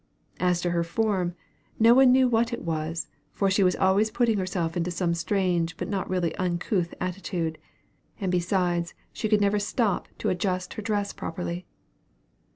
As to her form, no one knew what it was; for she was always putting herself into some strange but not really uncouth attitude; and besides, she could never stop to adjust her dress properly.